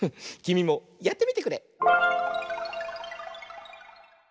きみもやってみてくれ！